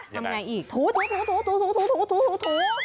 ทำยังไงอีกถูทำยังไงอีก